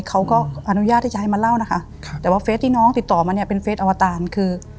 เขาก็อนุญาตที่จะให้มาเล่านะคะครับแต่ว่าเฟสที่น้องติดต่อมาเนี่ยเป็นเฟสอวตารคือ